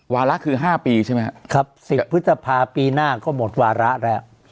วาระคือ๕ปีใช่ไหมครับ๑๐พฤษภาปีหน้าก็หมดวาระแล้ว